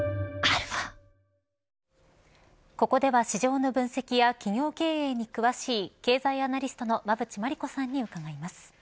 ここでは市場の分析や企業経営に詳しい経済アナリストの馬渕磨理子さんに伺います。